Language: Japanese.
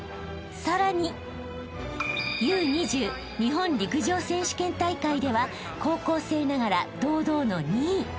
［さらにＵ２０日本陸上選手権大会では高校生ながら堂々の２位］